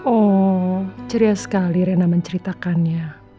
oh ceria sekali rena menceritakannya